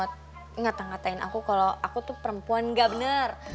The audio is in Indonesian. ngata ngatain aku kalau aku tuh perempuan gak bener